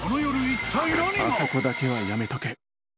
あそこだけはやめとけ。